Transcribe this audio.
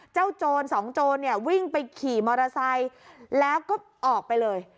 โจรสองโจรเนี่ยวิ่งไปขี่มอเตอร์ไซค์แล้วก็ออกไปเลย